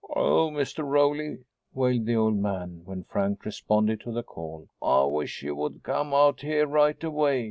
"Oh, Mr. Rowley," wailed the old man, when Frank responded to the call, "I wish you would come out here right away.